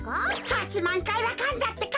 ８まんかいはかんだってか。